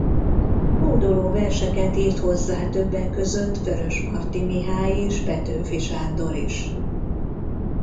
Hódoló verseket írt hozzá többek között Vörösmarty Mihály és Petőfi Sándor is.